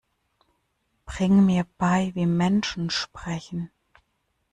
Bring mir bei, wie Menschen sprechen!